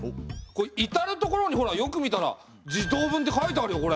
至る所にほらよく見たら「地頭分」って書いてあるよこれ。